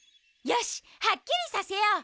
よしはっきりさせよう！